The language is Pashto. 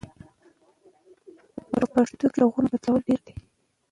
په پښتو کې د غږونو بدلون ډېر دی.